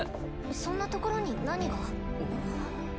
そんなところに何が？